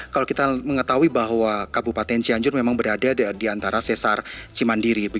kalau kita mengetahui bahwa kabupaten cianjur memang berada di antara sesar cimandiri